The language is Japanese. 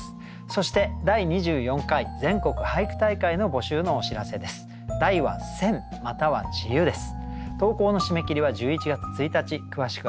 そして第２４回全国俳句大会の募集のお知らせです。